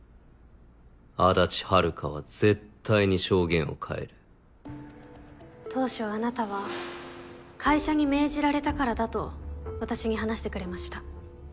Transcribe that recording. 足立遥は絶対に証言を変当初あなたは会社に命じられたからだと私に話してくれました。